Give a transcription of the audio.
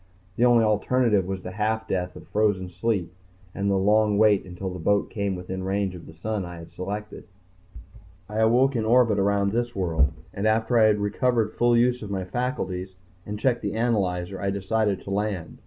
The only alternative was the half death of frozen sleep and the long wait until the boat came within range of the sun I had selected. I awoke in orbit around this world, and after I recovered full use of my faculties and checked the analyzer, I decided to land.